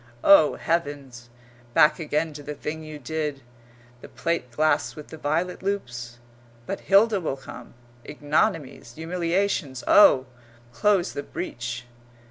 Oh, heavens! Back again to the thing you did, the plate glass with the violet loops? But Hilda will come. Ignominies, humiliations, oh! Close the breach.